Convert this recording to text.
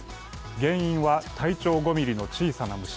原因は体長５ｍｍの小さな虫。